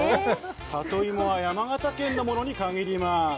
里芋は山形県のものに限ります。